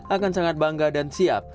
akan sangat bangga dan siap